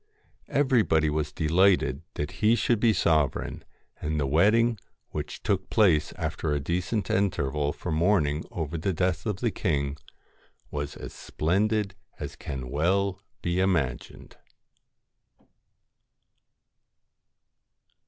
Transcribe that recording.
LOCKS Everybody was delighted that he should be sovereign, and the wedding, which took place after a decent interval for mourning over the death of the king, was as splendid as can well be imagined.